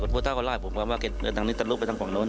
พวกท่าก็ร่ายผมว่าเกอ้นทางนี้ตลกไปกลางนู้น